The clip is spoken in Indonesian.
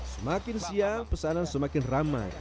semakin siang pesanan semakin ramai